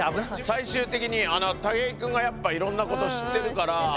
最終的に武井君がやっぱいろんなこと知ってるから。